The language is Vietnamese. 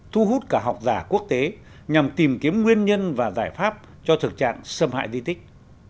thu hút cả học giả quốc tế nhằm tìm kiếm nguyên nhân và giải pháp cho thực trạng xâm hại di tích